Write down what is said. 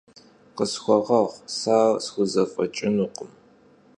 Khısxueğueğu, se ar sxuzef'eç'ınukhım.